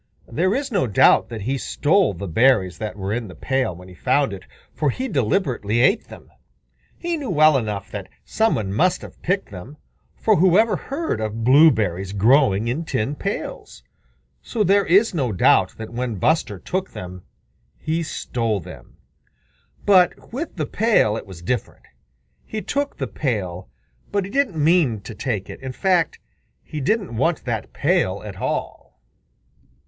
There is no doubt that he stole the berries that were in the pail when he found it, for he deliberately ate them. He knew well enough that some one must have picked them for whoever heard of blueberries growing in tin pails? So there is no doubt that when Buster took them, he stole them. But with the pail it was different. He took the pail, but he didn't mean to take it. In fact, he didn't want that pail at all.